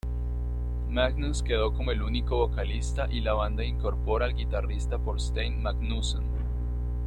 Magnús quedó como el único vocalista y la banda incorpora al guitarrista Þorsteinn Magnússon.